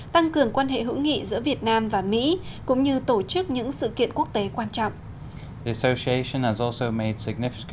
tăng cường quan hệ hữu nghị giữa việt nam và mỹ cũng như tổ chức những sự kiện quốc tế quan trọng